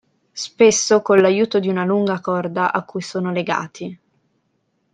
Spesso con l'aiuto di una lunga corda a cui sono legati.